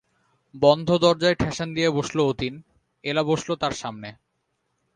বন্ধ দরজায় ঠেসান দিয়ে বসল অতীন, এলা বসল তার সামনে।